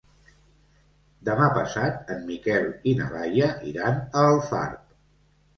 Demà passat en Miquel i na Laia iran a Alfarb.